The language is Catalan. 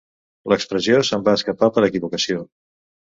L'expressió se'm va escapar per equivocació.